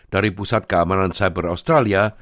dari pusat keamanan cyber australia